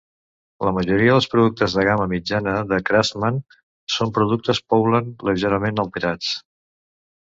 La majoria dels productes de gamma mitjana de Craftsman són productes Poulan lleugerament alterats.